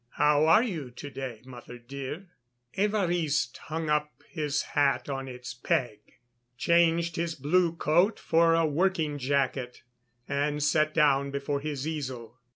"How are you to day, mother dear?" Évariste hung up his hat on its peg, changed his blue coat for a working jacket and sat down before his easel.